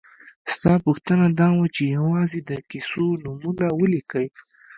ستا پوښتنه دا وه چې یوازې د کیسو نومونه ولیکئ.